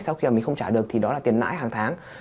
sau khi mà mình không trả được thì đó là tiền nãi hàng tháng